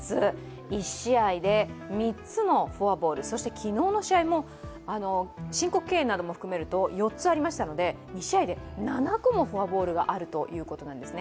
昨日の試合も申告敬遠なども含めると４つありましたので２試合で７個もフォアボールがあるということなんですね。